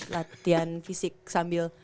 latihan fisik sambil